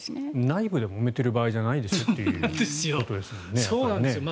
内部でもめている場合じゃないですよということですよね。